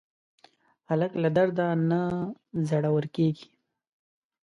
هلک له درده نه زړور کېږي.